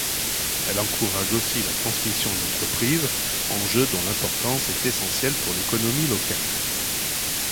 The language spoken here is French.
Elle encourage aussi la transmission d'entreprises, enjeu dont l'importance est essentielle pour l'économie locale.